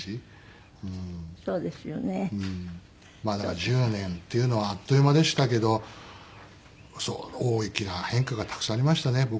まあだから１０年っていうのはあっという間でしたけど大きな変化がたくさんありましたね